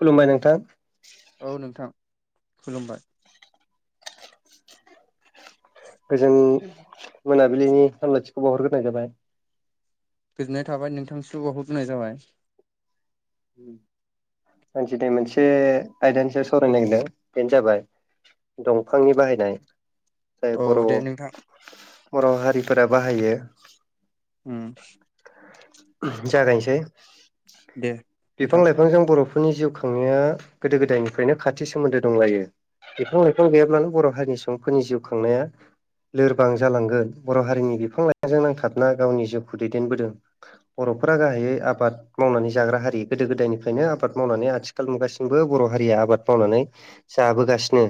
खुलुमबाय नोंथां। औ नोंथां खुलुमबाय। गोजों मोनाबिलिनि हामलायथिखौ बाउहरग्रोनाय जाबाय। गोजोननाय थाबाय नोंथांनिसिमबो' बाउहग्रोनाय जाबाय। आं दिनै मोनसे आयदानि सायाव सावरायनो नागिरदों बेनो जाबाय दंफांनि बाहायनाय जाय औ बर' दे नोंथां। बर' हारिफोरा बाहायो उम जागायनोसै दे नोंथां बिफां-लाइफांजों बर'फोरनि जिउ खांनाया गोदो-गोदायनिफ्रायनो खाथि सोमोन्दो दंलायो। बिफां-लाइफां गैयाब्लानो बर' हारिनि सुबुंफोरनि जिउ खांनाया लोरबां जालांगोन बर' हारिनि बिफां लाइफांजों नांथाबना गावनि जिउखौ दैदेनबोदों बर' न'खरा गाहायै आबाद मावनानै जाग्रा हारि। गोदो गोदायनिफ्रायनो आबाद मावनानै आथिखाल मुगासिमबो बर' हारिया आबाद मावनानै जाबोगासिनो।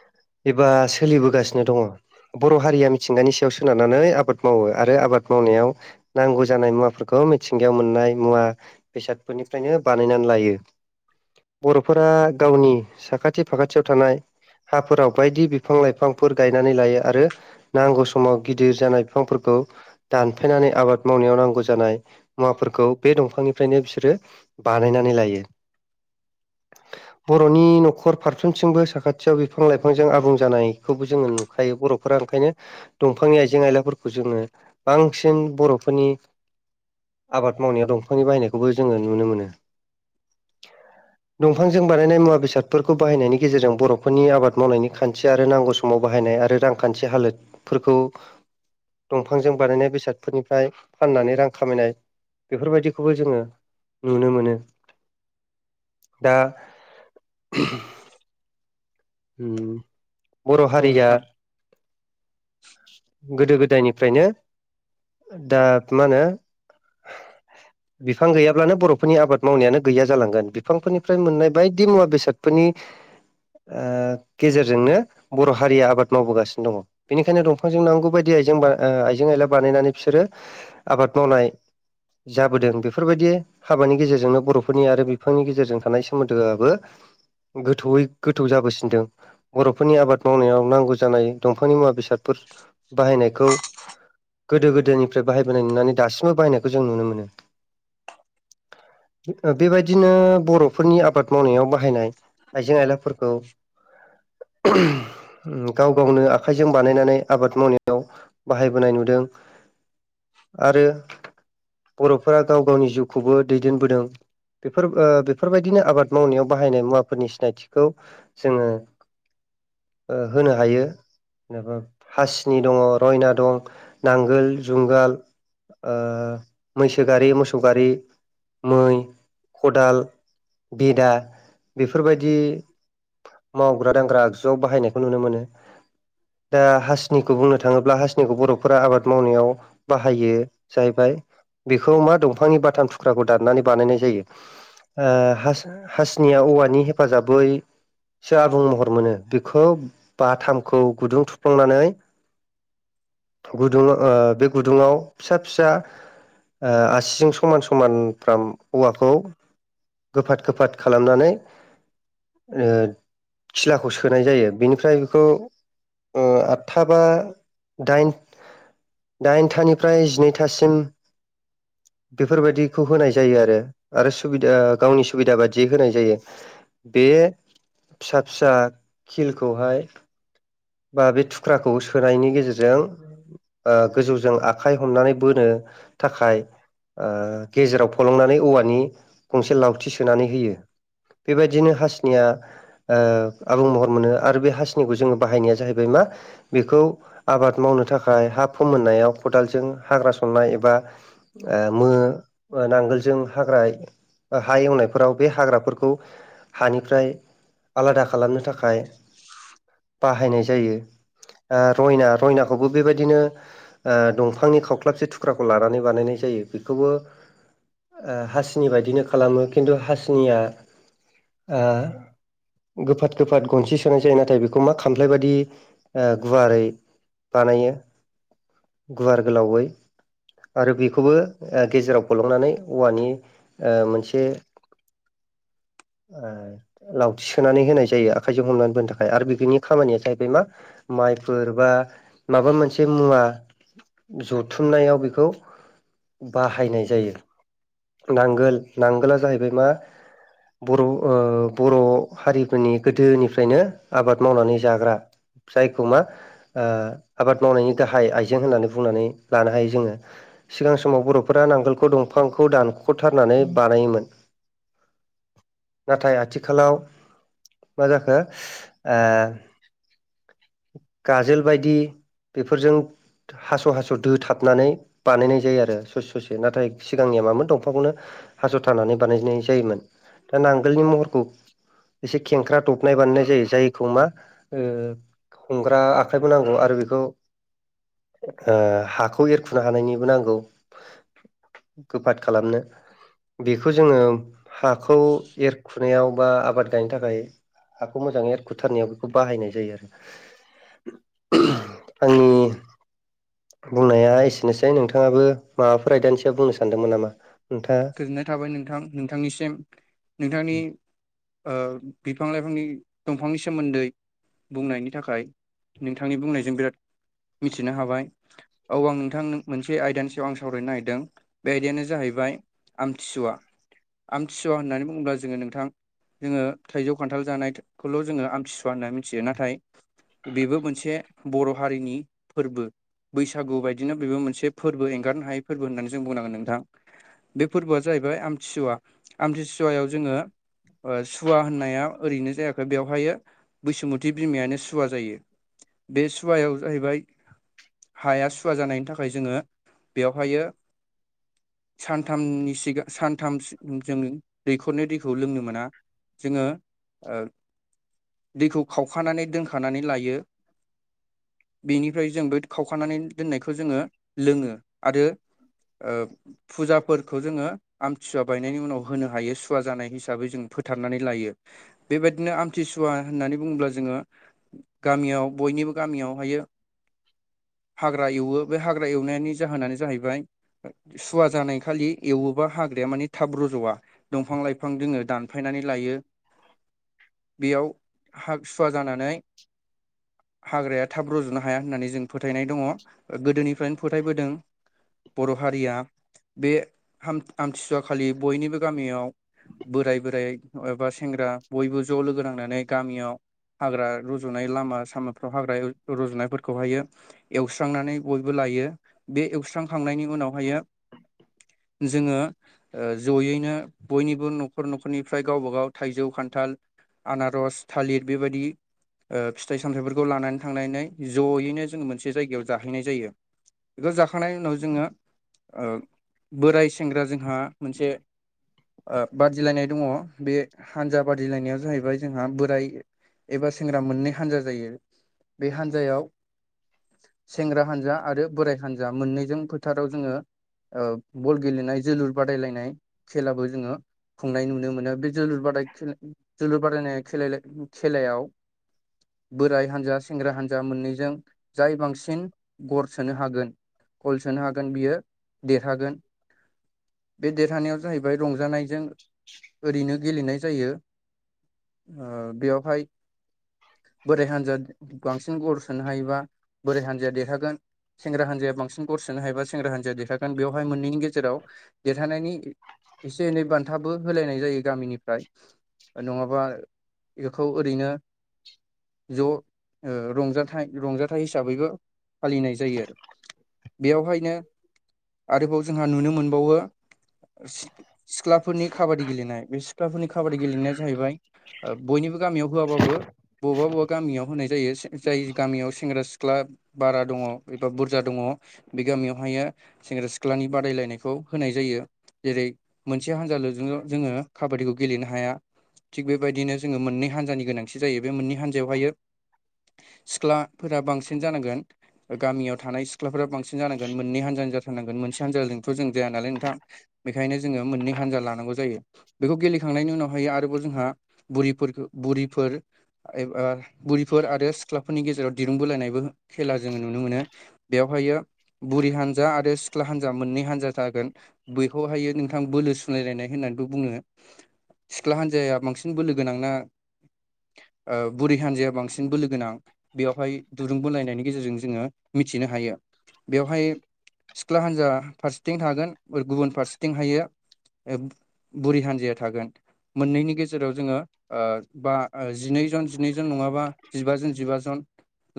[inaudible] एबा सोलिबोगासिनो दङ' बर' हारिया मिथिंगानि सायाव सोनारनानै आबाद मावो आरो आबाद माव नायाव नांगौ जानाय मुवाफोरखौ मिथिंगायाव मोननाय मुवा बेसाद फोरनिफ्रायनो बानायनानै लायो। बर'फोरा गावनि साखाथि-फाखाथियाव थानाय हाफोराव बायदि बिफां-लाइफांफोर गायनानै लायो आरो नांगौ समाव गिदिर जानाय बिफांफोरखौ दानफायनानै आबाद मावनायाव नांगौ जानाय मुवाफोरखौ बे दंफांनिफ्रायनो बिसोरो बानायनानै लायो। बर'नि 'खर फारफ्रोमथिंबो साखाथियाव बिफां-लाइफांजों आबुं जानाय खौबो जोङो नुखायो बर'फोर आ ओंखायनो दंफांनि आइजें-आइलाफोरखौ जोङो बांसिन बर'फोरनि आबाद मावनायाव दंफांनि बाहायनायखौबो जोङो नुनो मोनो। दंफांजों बानायनाय मुवा बेसादफोरखौ बाहायनायनि गेजेरजों बर'फोरनि आबाद मावनायनि खान्थि आरो नांगौ समाव बाहाय नाय आरो रांखान्थि हालोदफोरखौ दंफांजों बानायनाय बेसादफोरनिफ्राय फाननानै रां खामायनाय बेफोरबायदिखौबो जोङो नुनो मोनो। दा उम बर' औ हारिया नोंथां गोदो गोदायनिफ्रायनो दा मा होनो बिफां गैयाब्लानो बर'फोरनि आबाद मावनायानो गैया जालांगोन बिफांफोरनिफ्राय मोननाय बायदि मुवा बेसादफोरनि आ गेजेरजोंनो बर' हारिया आबाद मावबोगासिनो दङ' बेनिखायनो दंफांजों नांगौ बायदि आइजें बा आ आइजें आइला बानायनानै बिसोरो आबाद मावनाय जाबोदों बेफोरबायदि हाबानि गेजेरजोंनो बर'फोरनि आरो बिफांनि गेजेरजों थानाय सोमोन्दोआबो गोथौयै गोथौ जाबोसिनदों बर'फोरनि आबाद मावनायाव नांगौ जानाय दंफांनि मुवा बेसादफोर बाहायनायखौ गोदो गोदोनिफ्राय बाहायबोनाय नुनानै दासिमबो बाहायनायखौ जों नुनो मोनो। ओ बेबायदिनो बर'फोरनि आबाद मावनायाव बाहायनाय आइजें आइला औ उम गाव-गावनो आखाइजों बानायनानै आबाद मावनायाव बाहायबोनाय नुदों। आरो बर'फोरा गाव गावनि जिउखौबो दैदेनबोदों। बेफोर ओ बेफोरबायदिनो आबाद मावनायाव बाहायनाय मुवाफोरनि सिनायथिखौ जोङो ओ होनो हायो। जेनेबा हासिनि दङ' रयना दं नांगोल जुंगाल ओ मैसो गारि मोसौ गारि। मै खदाल बेदा बेफोरबायदि मावग्रा-दांग्रा आगजुआव बाहायनायखौ नुनो मोनो। दा हासिनिखौ बुंनो थाङोब्ला हासिनिखौ बर'फोरा आबाद मावनायाव बाहायो जाहैबाय। बेखौ मा दंफांनि बाथाम थुख्राखौ दाननानै बानायनाय जायो? आ हास-हासिनिया औवानि हेफाजाबै सो आबुं महर मोनो बेखौ बाथामखौ गुदुं थुफ्लांनानै गुदुं ओ बे गुदुङाव फिसा फिसा आ आसिजों समान समानफ्राम औवाखौ गोफाद गोफाद खालामनानै ओ खिलाखौ सोनाय जायो बेनिफ्राय बेखौ ओ आदथा बा दाइन। दाइन थानिफ्राय जिनै थासिम बेफोरबायदिखौ होनाय जायो आरो आरो सुबिदा गावनि सुबिदा बादियै होनाय जायो। बे फिसा फिसा खिल खौहाय बा बे थुख्राखौ सोनायनि गेजेरजों ओ गोजौजों आखाइ हमनानै बोनो थाखाय ओह गेजेराव फलंनानै औवानि गंसे लावथि सोनानै होयो। बेबादिनो हासनिया ओ आबुं महर मोनो आरो बे हास्निखौ जोङो बाहायनाया जाहैबाय मा बेखौ आबाद मावनो थाखाय हा फोमोननायाव खदालजों हाग्रास सननाय एबा ओ मो ओनांगोलजों हाग्रा ओ हा एवनायफोराव बे हाग्राफोरखौ हानिफ्राय आलादा खालामनो थाखाइ बाहायनाय जायो। ओ रयना-रयनाखौबो बेबायदिनो ओ दंफांनि खावख्लाबसे थुख्राखौ लानानै बानायनाय जा जायो बेखौबो ओ हासिनि बायदिनो खालामो खिन्थु हासिनिया ओ गोफाद गोफाद गनसि सोनाय जायो नाथाय बेखौ खौमा खामफ्लाय बायदि ओ गुवारै बानायो। गुवार गोलाउयै आरो बेखौबो ओह गेजेराव फलंनानै औवानि ओ मोनसे ओ लावथि सोनानै होनाय जायो आखाइजों हमनानै बोनो थाखाय आरो बिबिनि खामानिया जाहैबाय मा माइफोर बा माबा मोनसे मुवा। जथुमनायाव बेखौ बाहायनाय जायो। नांगोल-नांगोला जाहैबाय मा बर ओ बर' हारिफोरनि गोदोनिफ्रायनो आबाद मावनानै जाग्रा जायखौमा ओ आबाद मावनायनि गाहाय आइजें होननानै बुंनानै लानोहायो जोङो। सिगां समाव बर'फोरा नांगोलखौ दंफांखौ दानख'थारनानै बानायोमोन। [inaudible] नाथाय आथिखालाव माजाखो [unintelligible] ओ गाजोल बाइदि बेफोरजों हास' हास' दोथाबनानै बानायनाय जायोआरो ससे ससे नाथाय सिगांनिया मामोन दंफांखौनो। हास' थारनानै बानायनाय जायोमोन दा नांगोलनि महरखौ एसे खेंख्रा दबनाय बानायनायजायो जायखौ मा ओह। हमग्रा आखायबो नांगौ आरो बेखौ ओ हाखौ एरखुनो हानायनिबो नांगौ। गोफाद खालामनो बेखो जोङो हाखौ एरखुनायाव बा आबाद गायनो थाखाय हाखौ मोजाङै एरखुथारनायाव बेखौ बाहायनाय जायो आरो। [unintelligible] आंनि बुंनाया एसेनोसै नोंथाङाबो माबाफोर आयदानि सायाव बुंनो सानदोंमोन नामा? नोंथाङा गोजोननाय थाबाय नोंथां नोंथांनिसिम। नोंथांनि ओ बिफां लाइफांनि दंफांनि सोमोन्दै बुंनायनि थाखाय नोंथांनि बुंनायजों बिराद मिथिनो हाबाय औ आं नोंथां नों मोनसे आयदानि सायाव आं सावरायनो नागिरदों बे आयदायानो जाहैबाय। आमथिसुआ आमथिसुआ होननानै बुङोब्ला जोङो नोंथां जोङो थाइजौ खान्थाल जानायखोल' जोङो आमथिसुवा होनना मिनथियो नाथाय बेबो मोनसे बर' हारिनि फोरबो। बैसागु बायदिनो बेबो मोनसे फोरबो एंगारनो हायै फोरबो होननानै जों बुंनांगोन नोंथां। बे फोरबोआ जाहैबाय आमथिसुआ आमथिसुआयाव जोङो ओ सुवा होननाया ओरैनो जायाखै बेवहायो बैसुमुथि बिमायानो सुवा जायो। बे सुआयाव जाहैबाय। हाया सुवा जानायनि थाखाय जोङो बेवहायो सान थामनि सिगा सानथामस जों दैखरनो दैख खौ लोंनो मोना जोङो ओ दैखौ खावखानानै दोनखानानै लायो। बेनिफ्राय जोंबो खावखानानै दोननायखौ जोङो लोङो आरो फुजाफोरखौ जोङो आमथिुसुवा बायनायनि उनाव होनो हायो सु सुवा जानाय हिसाबै जों फोथारनानै लायो बेबायदिनो आमथिसुवा होननानै बुङोब्ला जोङो गामियाव बयनिबो गामियाव हायो। [inaudible] हाग्रा एवो बे हाग्रा एवनायनि जाहोनानो जाहैबाय सुवा जानाय खालि एवोबा हाग्राया माने थाब रजवा दंफां लाइफां जोङो दानफायनानै लायो [inaudible] बेयाव हा सुवा जानानै हाग्राया थाब रजनो हाया होननानै जों फोथायनाय दङ गोदोनिफ्रायनो फोथायबोदों बर हारिया बे आमथिसुवा खालि बयनिबो गामियाव बोराय बोराइ एबा सेंग्रा बयबो ज लोगो नांनानै गामियाव हाग्रा रजनाय लामा सामाफ्राव हाग्रा रजनायफोरखौहायो एवस्रांनानै बयबो ला- यो बे एवस्रांखांनायनि उनावहायो [inaudible] जोङो जयैनो बयनिबो नखर नखरनिफ्राय गावबागाव थाइजौ खान - थाल आनारस थालिर बेबायदि ओ फिथाइ सामथायाइफोरखौ लानानै थांनानै जयैनो जोङो मोनसे जायगायाव जाहैनाय जायो बेखौ जाखांनायनि उनाव जोङो बोराय सेंग्रा जों हा मोनसे आ बादिलायनाय दङ बे हान्जा बादिलायनायाव जाहैबाय जोंहा बोराय एबा सेंग्रा मोननै हान्जा जायो बे हान्जायाव सेंग्रा हानजा आरो बोराय हानजा मोननैजों फोथाराव जोङो बल गेलेनाय जोलुर बादायलायनाय खेलाबो जोङो खुंनाय नुनो मोनो बे जोलुर बादाय जोलुर बादायनाय खेला खेलायाव बोराय हान्जा सेंग्रा हान्जा मोननैजों जाय बांसिन गर सोनो हागोन गल सोनो हागोन बियो देरहागोन बे देरहानायाव जाहैबाय रंजानायजों ओरैनो गेलेनाय जायो आ बेवहाय बोराय हान्जाया बांसिन अर सोनो हायोबा बोरै हान्जाया देरहागोन सेंग्रा हान्जाया बांसिन गर सोनो हायोबा सेंग्रा हान्जाया देर हा बेवहाय मोननैनि गेजेराव देरहानायनि एसे एनै बान्थाबो होलायनाय जायो गामिनिफ्राय नङाबा बेखौ ओरैनो ज रंजाथाइ रंजाथाइ हिसाबैबो फालिनाय जायो आरो बेयावहायनो आरोबाव जोंहा नुनो मोनबावो सिख्लाफोरनि खाबादि गेलेनाय बे सिख्लाफोरनि खाबादि गेलेनाया जाहैबाय बयनिबो गामियाव होआबाबो बबेबा बबेबा गामियाव होनाय जायो जाय गामियाव सेंग्रा सिख्ला बारा दङ एबा बुरजा दङ बे गामियावहायो सेंग्रा सिख्लानि बादायलायनायखौ होनाय जायो जेरै मोनसे हानजालोंजों जोङो खाबादिखौ गेलेनो हाया। थिग बेबायदिनो जोङो मोननै हानजानि गोनांथि जायो बे मोननै हान्जायावहायो। [inaudible] सिख्लाफोरा बांसिन जानांगोन गामियाव थानाय सिख्लाफोरा बांसिन जानांगोन मोननै हानजानि जा मोन होंथ जों ज नालाय नोंथां बेनिायनो जोो मोननै हानजा लानांग जायो बेखौ गेले थांनायनि उनावहाय आरोबाव जोंहा बुरिफोरखौ बुरिफोर एब बुरैफोर आरो सिख्लाफोरनि गेजेराव दिरुं बोलायनायबो खेला जोङो नुनो मोनो बेयाव हायो बुरि हानजा आरो सिख्ला हान्जा मोननै हान्जा जागोन बेैखौहायो नोंथां बोलो सोलायलायनाय होननानैबो बुङो। सिख्ला हान्जाया बांसिन बोलो गोनांना [inaudible] ओ बुरै हान्जाया बांसिन बोलो गोनां बेयावहाय दुरुं बोलायनायनि गेजेरजों जोङो मिथिनो हायो। बेवहाय सिख्ला हान्जा फारसेथिं थागोन आरो गुबुन फारसेथिं हायो ओ बुरि हान्जाया थागोन। मोननैनि गेजेराव जोङो ओ बा जिनैजन जिनैजन नङाबा जिबाजन जिबाजन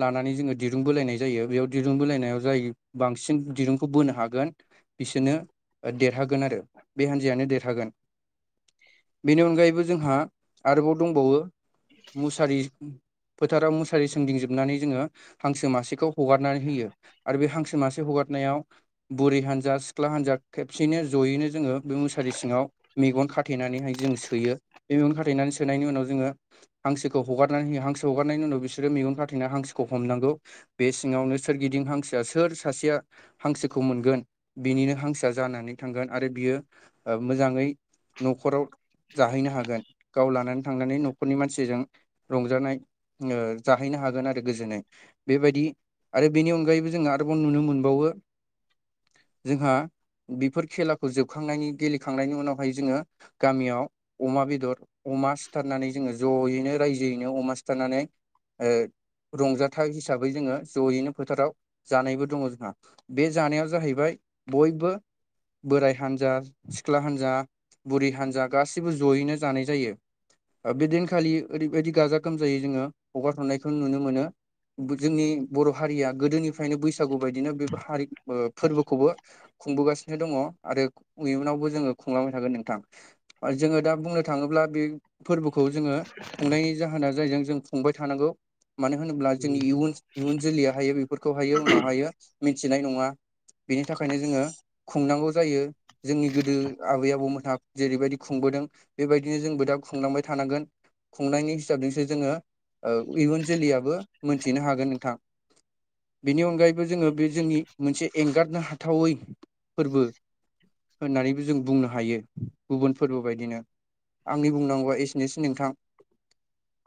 लानानै जोङो दिरुं बोलायनाय जायो बेयाव दिरुं बोलायनायाव जाय बांसिन दिरुं खौ बोनो हागोन बिसोरनो देरहागोन आरो बे हान्जायानो देरहागोन। बेनि अनगायैबो जोंहा आरोबाव दंबावो मुसारि फोथाराव मुसारि सोंदिंजोबनानै जोङो हांसो मासेखौ हगारनानै होयो आरो बे हांसो मासे हगारनायाव बुरै हान्जा सिख्ला हान्जा खेबसेयैनो जयैनो जोङो बे मुसारि सिङाव मेगन खाथेना नैहाय जों सोयो बे मेगन खाथेना सोनायनि उनाव जोङो हांसोखौ हगारनानै होयो। हांसोखौ हारनायनि उनाव बिसोरो मेगन खाथैना हांसोखौ हमनांगौ बे सिङावनो सोरगिदिं हांसोआ सोर सासेया हांसोखौ मोनगोन बिनिनो हांसो जानानै थांगोन आरो बियो मोजाङै न'खराव जाहैनो हागोन गाव लानानै थांनानै नखरनि मानसिजों रंजानाय ऐ जाहैनो हागोन आरो गोजोननाय। बेबायदि आरो बेनि अनगायैबो जोंङो आरोबाव नुनो मोनबावो जोंहा बेफोर खेलाखौ जोबखांनायनि गेलेखांनायनि उनावहाय जोङो गामियाव अमा बेदर अमा सिथारनानै जोङो ज'यैनो रायजोयैनो अमा सिथारनानै ओ रंजाथाइ हिसाबै जोङो जयैनो फोथाराव जानायबो दङ जोंहा। बे जानाया जाहैबाय बयबो बोराय हान्जा सिख्ला हान्जा बुरि हान्जा गासैबो जयैनो जानाय जायो। बेदिनखालि ओरैबायदि गाजा गोमजायै जोङो हगार ह'नायखौ नुनो मोनो जोंनि बर' हारिया गोदोनिफ्रायनो बैसागु बायदिनो बे हारि ओ फोरबोखौबो खुंबोगासिनो दङ आरो इयुनावबो जोङो खुंलांबाय थागोन नोंथां। जोङो दा बुंनो थाङोब्ला बे फोरबो खौ जोङो खुंनायनि जाहोना जायजों जों खुंबाय थानांगौ मानो होनोब्ला जोंनिुन इयुन जोलैयाहायो बेफोरखौहायो उनावहायो मिथिनाय नङा बेनि थाखायनो जोङो खुंनांगौ जायो जोंनि गोदो आबै आबौमोनहा जेरैबायदि खुं बोदों बेबायदिनो जोंबो दा खुंलांबाय थानांगोन। खुंनायनि हिसाबजोंसो जोङो ओ इयुन जोलैयाबबो मोनथिनो हागोन नोंथां। बेनि अनगायैबो जोङो बे जोंनि मोनसे एंगारनो हाथावै फोरबो। होननानैबो जों बुंनो हायो गुबुन फोरबो बायदिनो आंनि बुंनांगौबआ एसेनोसै नोंथां [inaudible]